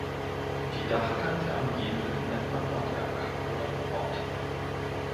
Die Dachkante am Giebel nennt man Ortgang oder "Ort".